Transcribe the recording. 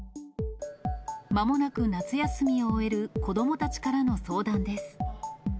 まもなく夏休みを終える子どもたちからの相談です。